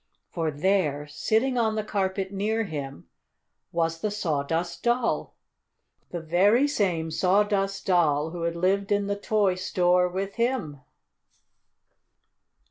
For there, sitting on the carpet near him, was the Sawdust Doll! The very same Sawdust Doll who had lived in the toy store with him!